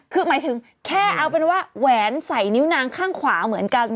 คือหมายถึงแค่เอาเป็นว่าแหวนใส่นิ้วนางข้างขวาเหมือนกัน